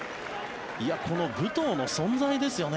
この武藤の存在ですよね。